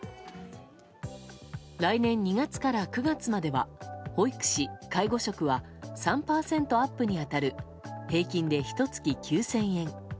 来年２月から９月までは保育士、介護職は３％アップに当たる平均でひと月９０００円。